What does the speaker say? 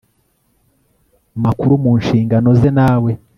Makuru mu nshingano ze nawe